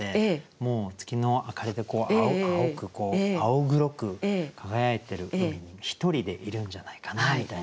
もう月の明かりで青黒く輝いてる海に一人でいるんじゃないかなみたいな。